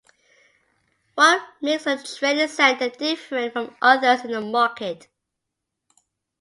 What makes your training centre different from others in the market?